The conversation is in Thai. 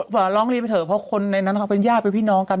ว่าร้องเรียนไปเถอะเพราะคนในนั้นเขาเป็นญาติเป็นพี่น้องกัน